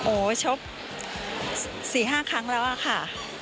โอ้ชอบ๔๕ครั้งแล้วค่ะ